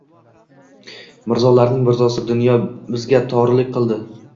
Mirzolarning mirzosi, dunyo bizga torlik qildi